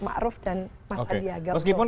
pak ma'ruf dan mas adiaga oke meskipun